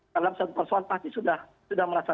terlalu persoal pasti sudah merasa